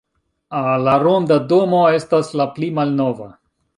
La ronda domo estas la pli malnova.